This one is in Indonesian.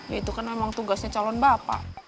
ya itu kan memang tugasnya calon bapak